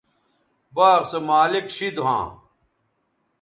باغ سو مالک شید ھواں